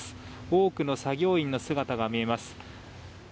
多くの作業員の姿が見えます。